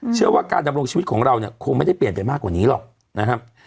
เชื่อว่าการดำรงชีวิตของเราเนี่ยคงไม่ได้เปลี่ยนไปมากกว่านี้หรอกนะครับ